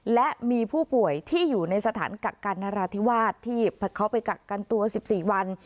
และมีผู้ป่วยที่อยู่ในสถานกักกันนราธิวาสที่เขาไปกักกันตัว๑๔วัน